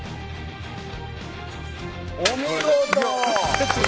お見事！